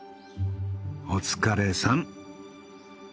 お疲れさん。